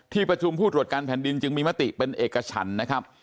ที่ประชุมผู้ตรวจการแผ่นดินจึงมีมติเป็นเอกฉันนะครับ